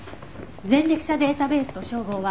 前歴者データベースと照合は？